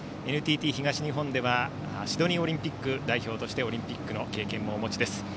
ＮＴＴ東日本ではシドニーオリンピック代表として経験もお持ちです。